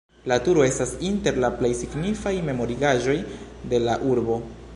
La turo estas inter la plej signifaj memorigaĵoj de la urbo.